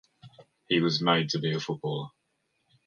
He was made to be a footballer.